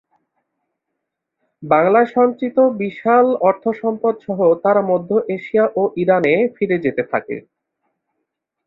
বাংলায় সঞ্চিত বিশাল অর্থসম্পদসহ তারা মধ্য এশিয়া ও ইরানে ফিরে যেতে থাকে।